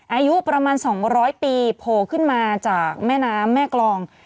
อายุประมาณ๒๐๐ปีโผล่ขึ้นมาจากแม่น้ำแม่กรอง